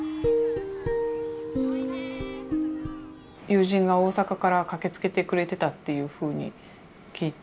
友人が大阪から駆けつけてくれてたっていうふうに聞いて。